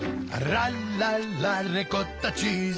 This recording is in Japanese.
「ラララリコッタチーズ」